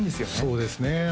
そうですね